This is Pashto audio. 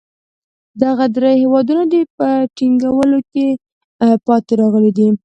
دغه درې هېوادونه په ټینګولو کې پاتې راغلي دي.